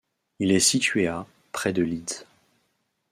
Il est situé à près de Leeds.